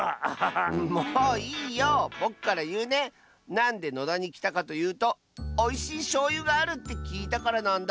なんで野田にきたかというとおいしいしょうゆがあるってきいたからなんだ。